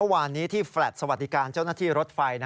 เมื่อวานนี้ที่แลตสวัสดิการเจ้าหน้าที่รถไฟ